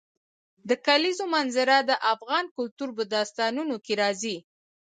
د کلیزو منظره د افغان کلتور په داستانونو کې راځي.